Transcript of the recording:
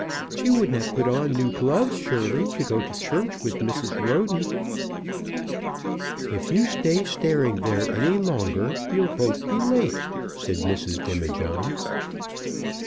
She wouldn't have put on new gloves surely to go to church with Mrs. Roden." "If you stay staring there any longer you'll both be late," said Mrs. Demijohn.